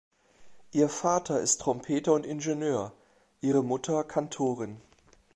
Ihr Vater ist Trompeter und Ingenieur; ihre Mutter Kantorin.